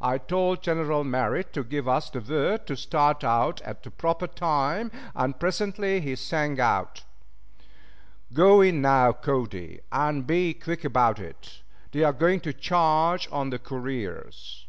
I told General Merritt to give us the word to start out at the proper time, and presently he sang out: "Go in now, Cody, and be quick about it. They are going to charge on the couriers."